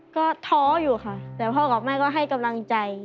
ก็ท้ออยู่ค่ะแต่พ่อกับแม่ก็ให้กำลังใจ